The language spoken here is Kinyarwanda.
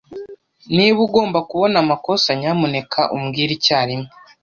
Niba ugomba kubona amakosa, nyamuneka umbwire icyarimwe.